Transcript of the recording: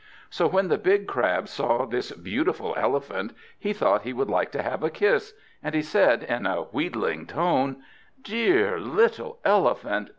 So when the big Crab saw this beautiful elephant, he thought he would like to have a kiss; and he said in a wheedling tone: "Dear little Elephant!